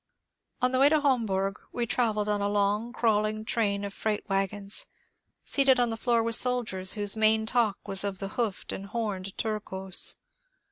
On the way to Homburg we travelled on a long, crawling train of freight wagons, seated on the floor with soldiers whose main talk was of the hoofed and homed Turcos.